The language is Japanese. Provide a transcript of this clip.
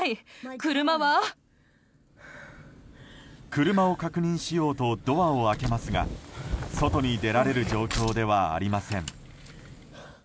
車を確認しようとドアを開けますが外に出られる状況ではありません。